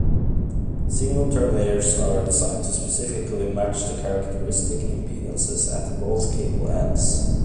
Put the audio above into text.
Signal terminators are designed to specifically match the characteristic impedances at both cable ends.